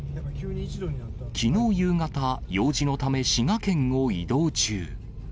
きのう夕方、用事のため滋賀県を移動中。